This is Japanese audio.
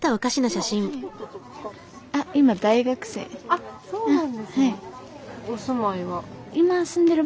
あっそうなんですね。